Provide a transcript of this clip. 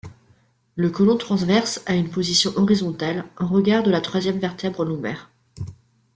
Le côlon transverse a une position horizontale, en regard de la troisième vertèbre lombaire.